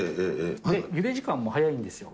で、ゆで時間も早いんですよ。